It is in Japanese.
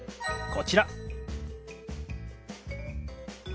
こちら。